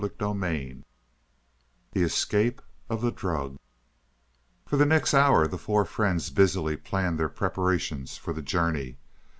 CHAPTER XI THE ESCAPE OF THE DRUG For the next hour the four friends busily planned their preparations for the journey.